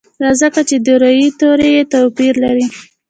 دا ځکه چې د روي توري یې توپیر لري.